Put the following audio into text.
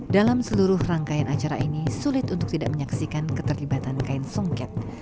dalam seluruh rangkaian acara ini sulit untuk tidak menyaksikan keterlibatan kain songket